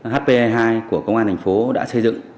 hp hai của công an thành phố đã xây dựng